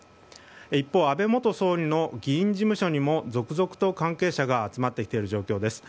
一方、安倍元総理の議員事務所にも続々と関係者が集まってきている状況です。